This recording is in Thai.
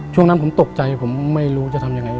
ช่วงนั้นผมตกใจผมไม่รู้จะทำยังไง